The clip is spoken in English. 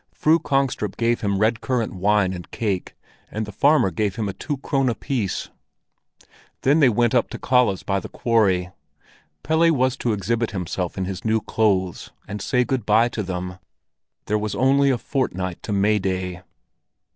Fru Kongstrup gave him red currant wine and cake, and the farmer gave him a two krone piece. Then they went up to Kalle's by the quarry. Pelle was to exhibit himself in his new clothes, and say good bye to them; there was only a fortnight to May Day.